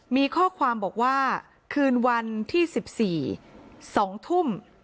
มีข้อความบอกว่าคืนวันที่๑๔๒ทุ่ม